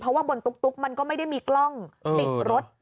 เพราะว่าบนตุ๊กมันก็ไม่ได้มีกล้องติดรถ